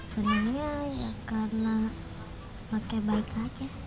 senengnya ya karena rake baik aja